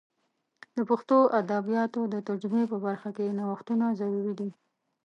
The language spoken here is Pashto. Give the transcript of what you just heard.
د پښتو د ادبیاتو د ترجمې په برخه کې نوښتونه ضروري دي.